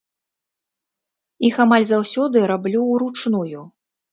Іх амаль заўсёды раблю ўручную.